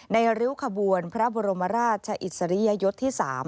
ริ้วขบวนพระบรมราชอิสริยยศที่๓